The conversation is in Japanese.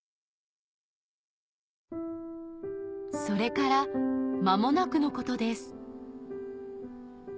それから間もなくのことです